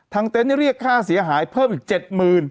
เต็นต์เรียกค่าเสียหายเพิ่มอีก๗๐๐๐บาท